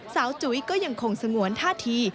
จุ๋ยก็ยังคงสงวนท่าที